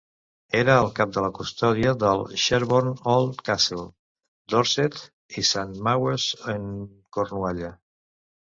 Era el Cap de la custòdia del Sherborne Old Castle, Dorset i Saint Mawes en Cornualla.